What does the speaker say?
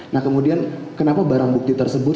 nah kemudian kenapa barang bukti tersebut